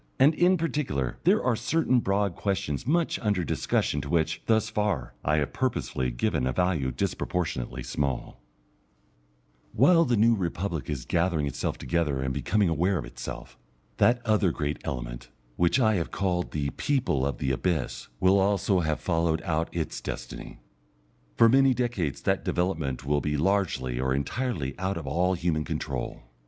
And in particular, there are certain broad questions much under discussion to which, thus far, I have purposely given a value disproportionately small: While the New Republic is gathering itself together and becoming aware of itself, that other great element, which I have called the People of the Abyss, will also have followed out its destiny. For many decades that development will be largely or entirely out of all human control.